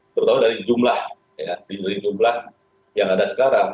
terutama dari jumlah yang ada sekarang